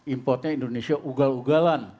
importnya indonesia ugal ugalan